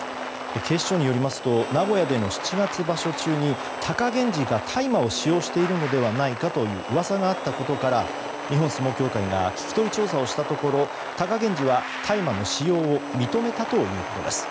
警視庁によりますと名古屋での七月場所中に貴源治が大麻を使用しているのではないかといううわさがあったことから日本相撲協会が聞き取り調査をしたところ貴源治は大麻の使用を認めたということです。